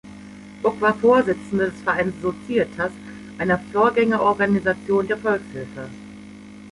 Bock war Vorsitzende des Vereins „Societas“, einer Vorgängerorganisation der Volkshilfe.